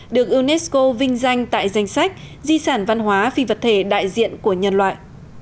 được unesco vinh danh tại danh sách di sản văn hóa phi vật thể đại diện của nhân loại